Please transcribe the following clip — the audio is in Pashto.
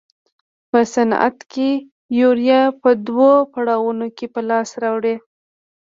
په صنعت کې یوریا په دوو پړاوونو کې په لاس راوړي.